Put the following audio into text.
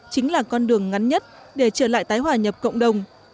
chính là con đường ngắn nhất để trở lại tái hòa nhập cộng đồng